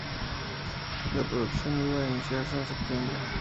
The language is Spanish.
La producción iba a iniciarse en septiembre.